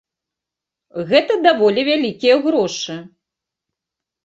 Гэта даволі вялікія грошы.